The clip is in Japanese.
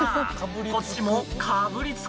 こっちも、かぶりつく！